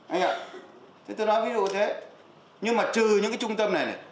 anh ạ tôi nói ví dụ như thế nhưng mà trừ những cái trung tâm này